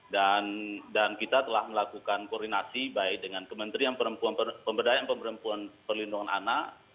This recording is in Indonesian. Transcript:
dan kita telah melakukan koordinasi baik dengan pemberdayaan perempuan perlindungan anak